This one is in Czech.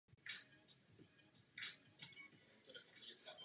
O dva roky později jej londýnská Královská Akademie jmenovala svým čestným členem.